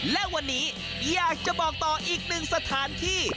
และวันนี้อยากจะบอกต่ออีกหนึ่งสถานที่